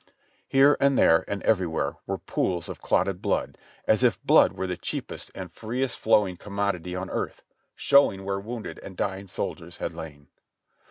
Here and there and everywhere were pools of clotted blood, as if blood were the cheapest and freest flowing commodity on earth, showing where wounded and dying soldiers had lain.